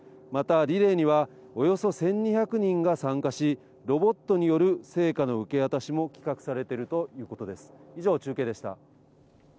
またリレーにはおよそ１２００人が参加し、ロボットによる聖火の受け渡しも企画されているということです。